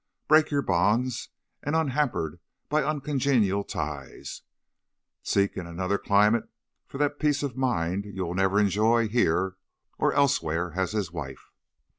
Break your bonds, and, unhampered by uncongenial ties, seek in another climate for that peace of mind you will never enjoy here or elsewhere as his wife.'